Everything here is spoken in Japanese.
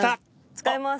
使います。